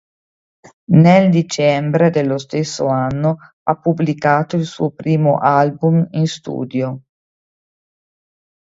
Nel dicembre dello stesso anno ha pubblicato il suo primo album in studio.